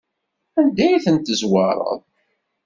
Anda ay ten-tezwareḍ?